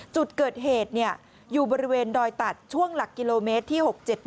จุดเกิดเหตุอยู่บริเวณดอยตัดช่วงหลักกิโลเมตรที่๖๗๑